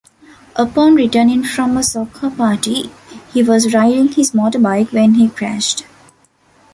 Upon returning from a soca party he was riding his motorbike when he crashed.